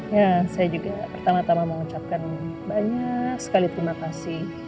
ya saya juga pertama tama mengucapkan banyak sekali terima kasih